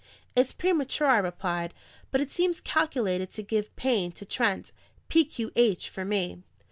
"It's premature," I replied; "but it seems calculated to give pain to Trent. PQH for me."